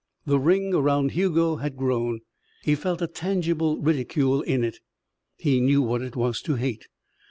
The ring around Hugo had grown. He felt a tangible ridicule in it. He knew what it was to hate.